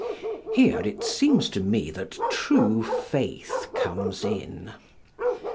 Here it seems to me that true faith comes in.